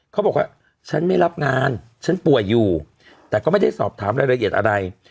เขาบอกว่าฉันไม่รับงานฉันป่วยอยู่แต่ก็ไม่ได้สอบถามรายละเอียดอะไร